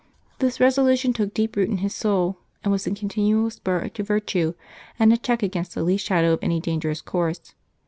This resolution took deep root in his soul, and was a continual spur to virtue, and a check against the least shadow of any dangerous course.